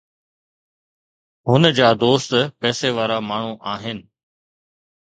هن جا دوست پئسي وارا ماڻهو آهن.